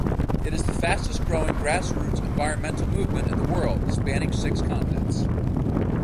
It is the fastest growing grassroots environmental movement in the world, spanning six continents.